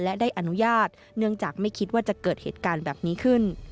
และได้อนุญาตเนื่องจากไม่คิดว่าจะเกิดเหตุการณ์แบบนี้ขึ้น